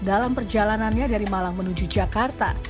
dalam perjalanannya dari malang menuju jakarta